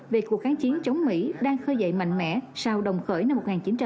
về cuộc kháng chiến chống mỹ đang khơi dậy mạnh mẽ sau đồng khởi năm một nghìn chín trăm bảy mươi